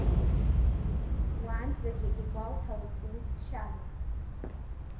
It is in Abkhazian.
Уаанӡагьы игәалҭалон уи сшьана.